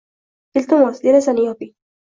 Iltimos, derazani yoping